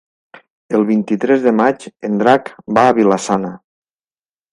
El vint-i-tres de maig en Drac va a Vila-sana.